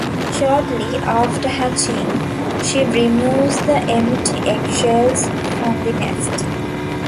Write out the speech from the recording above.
Shortly after hatching, she removes the empty eggshells from the nest.